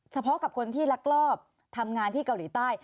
เฉพาะกับคนที่ลักลอบทำงานที่เกาหลีใต้